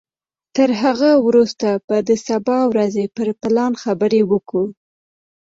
تر هغه وروسته به د سبا ورځې پر پلان خبرې کوو.